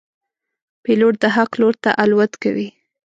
پیلوټ د حق لور ته الوت کوي.